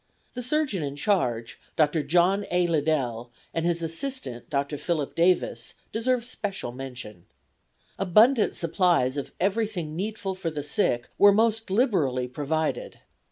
The surgeon in charge, Dr. John A. Liddell, and his assistant, Dr. Philip Davis, deserve special mention. Abundant supplies of everything needful for the sick were most liberally provided.